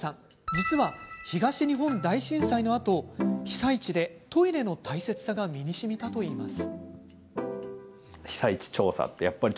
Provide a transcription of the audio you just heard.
実は、東日本大震災のあと被災地でトイレの大切さが身にしみたといいます。